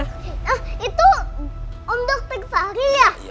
ah itu om dokter fahri ya